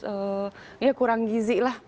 eh ya kurang gizi lah